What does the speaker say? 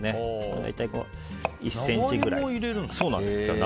大体１ｃｍぐらい。